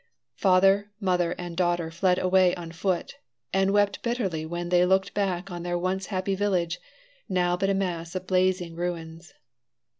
Father, mother and daughter fled away on foot, and wept bitterly when they looked back on their once happy village, now but a mass of blazing ruins.